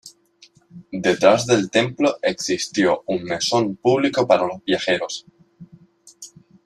Detrás del templo existió un mesón público para los viajeros.